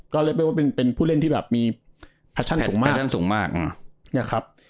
ก็เลยเรียกว่าเป็นเป็นผู้เล่นที่แบบมีแพชชั่นสูงมากแพชชั่นสูงมากอืมเนี่ยครับ